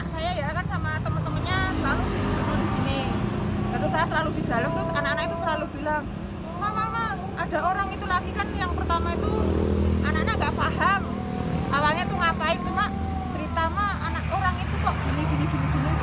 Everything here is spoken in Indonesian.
sangat meresahkan itu